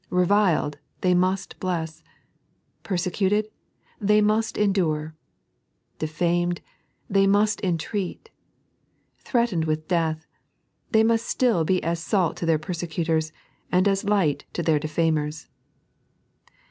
Reviled, they must bless; persecuted, they must endnre ; defamed, they must entreat ; threatened with death, they must still be as salt to their persecutors, and as light to their defamers.